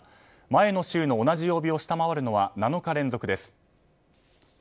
前の週の同じ曜日を下回るのは７日連続です。